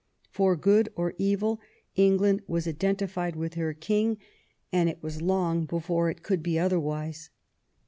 For good or evil England was identified with her king. 214 THOMAS WOLSEY chap. and it was long before it could be otherwise.